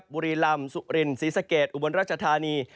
บุรีลำสุรินศรีสะเกดอุบลราชธานี